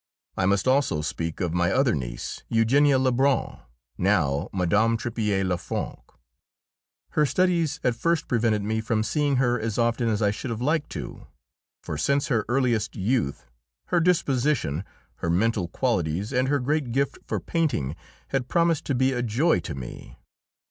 I must also speak of my other niece, Eugenia Lebrun, now Mme. Tripier Le Franc. Her studies at first prevented me from seeing her as often as I should have liked to, for since her earliest youth her disposition, her mental qualities, and her great gift for painting had promised to be a joy to me.